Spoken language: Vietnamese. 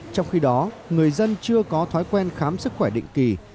trong khi đó người dân chưa có thói quen khám sức khỏe định kỳ